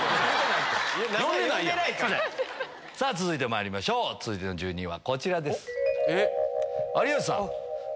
続いてまいりましょう続いての住人はこちらです。